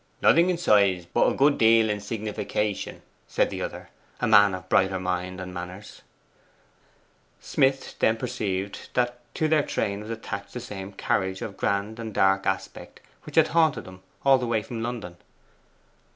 'Nothing in size, but a good deal in signification,' said the other, a man of brighter mind and manners. Smith then perceived that to their train was attached that same carriage of grand and dark aspect which had haunted them all the way from London.